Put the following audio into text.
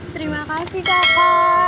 terima kasih kakak